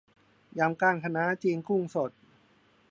ยำก้านคะน้าจีนกุ้งสด